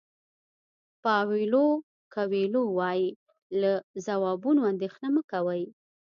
پاویلو کویلو وایي له ځوابونو اندېښنه مه کوئ.